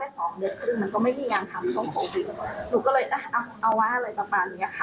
หนูก็เลยเอาว่าอะไรประมาณนี้ค่ะ